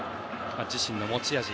自身の持ち味。